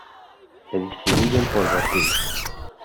Se distribuyen por Brasil.